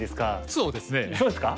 そうですか？